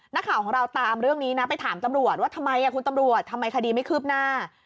นักข่าวของเราตามเรื่องนี้นะไปถามตำรวจว่าทำไมคุณตำรวจทำไมคดีไม่คืบหน้า